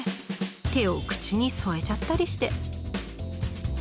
手を口に添えちゃったりして。